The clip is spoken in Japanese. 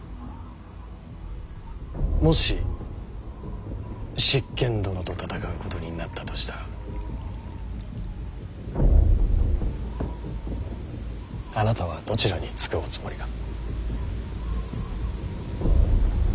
もし執権殿と戦うことになったとしたらあなたはどちらにつくおつもりか。